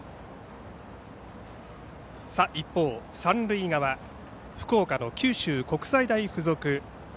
一方、三塁側福岡の九州国際大付属。